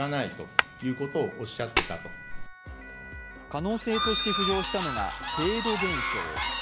可能性として浮上したのがフェード現象。